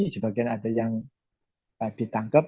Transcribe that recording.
sebagian ada yang ditangkep